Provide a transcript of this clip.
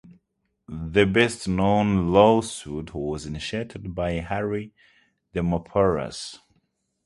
The best-known lawsuit was initiated by Harry Demopoulos.